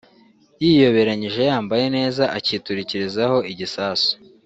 yiyoberanyije yambaye neza acyiturikirizaho igisasu